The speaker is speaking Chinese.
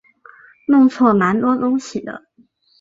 弄错蛮多东西的